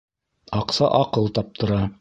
Аҡса аҡыл таптыра.